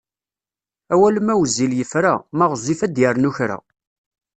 Awal ma wezzil yefra, ma ɣezzif ad d-yernu kra.